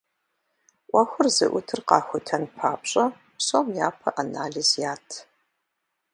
Ӏуэхур зыӏутыр къахутэн папщӏэ, псом япэ анализ ят.